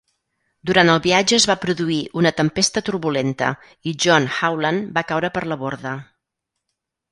Durant el viatge es va produir una tempesta turbulenta i John Howland va caure per la borda.